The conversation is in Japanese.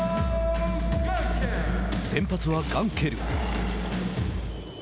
先発はガンケル。